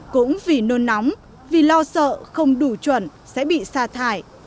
cũng vì nôn nóng vì lo sợ không đủ chuẩn sẽ bị sa thải